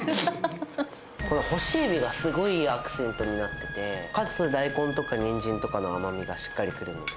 この干しエビがすごいいいアクセントになってて、かつ大根とかニンジンとかの甘みがしっかり来るので。